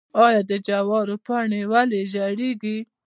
آیا د جوارو پاڼې ولې ژیړیږي؟